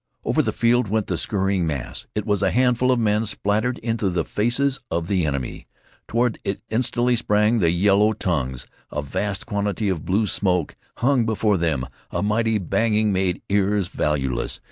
Over the field went the scurrying mass. It was a handful of men splattered into the faces of the enemy. Toward it instantly sprang the yellow tongues. A vast quantity of blue smoke hung before them. A mighty banging made ears valueless.